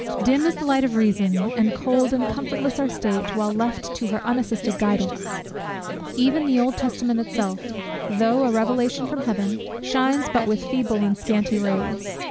_ Dim is the light of reason, and cold and comfortless our state, while left to her unassisted guidance. Even the Old Testament itself, though a revelation from Heaven, shines but with feeble and scanty rays.